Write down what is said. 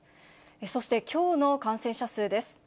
そしてきょうの感染者数です。